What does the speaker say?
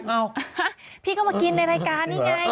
พี่ก็มากินในรายการนี่ไง